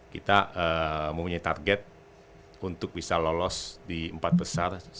kita mempunyai target untuk bisa lolos di empat besar